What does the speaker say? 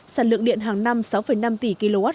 sản lượng điện hàng năm sáu năm tỷ